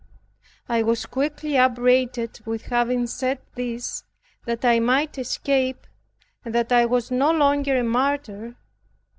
I was quickly upbraided with having said this that I might escape, and that I was no longer a martyr.